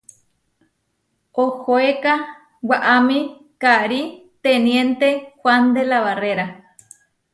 Ohoéka waʼámi karí teniénte Huán de la Barréra.